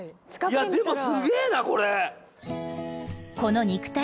いやでもすげぇなこれ。